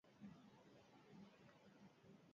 Asteon igandetako programarik ez da izango.